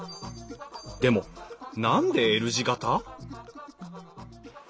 でも何でＬ字形？